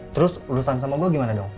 terus urusan sama gue gimana dong